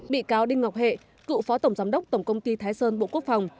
bị cáo đinh ngọc hệ cựu phó tổng giám đốc tổng công ty thái sơn bộ quốc phòng